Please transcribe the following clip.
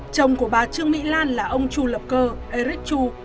chồng của bà trương mỹ lan là ông chu lập cơ eric chu